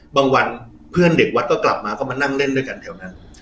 วันเพื่อนเด็กวัดก็กลับมาก็มานั่งเล่นด้วยกันแถวนั้น